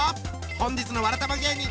本日のわらたま芸人